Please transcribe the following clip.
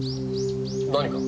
何か？